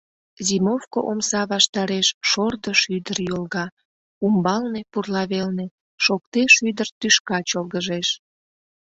Зимовко омса ваштареш шордо шӱдыр йолга, умбалне, пурла велне, шокте шӱдыр тӱшка чолгыжеш.